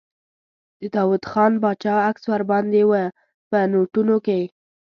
د داووخان باچا عکس ور باندې و په نوټونو کې.